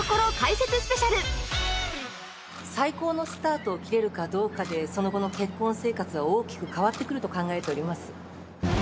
最高のスタートを切れるかどうかでその後の結婚生活は大きく変わってくると考えております。